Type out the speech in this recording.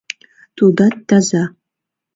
— Тудат таза.